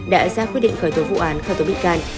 đã ra quyết định khởi tố vụ án khởi tố bị can